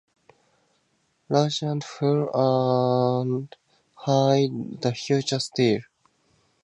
Large and full and high the future still opens.